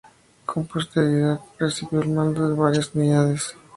Con posterioridad recibió el mando de varias unidades.